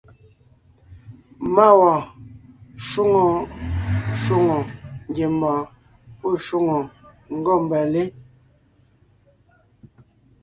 Má wɔɔn shwóŋo shwóŋò ngiembɔɔn pɔ́ shwòŋo ngômbalé.